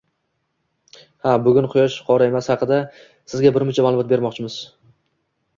Ha, bugun Quyosh qoraymas haqida sizga birmuncha ma`lumot bermoqchimiz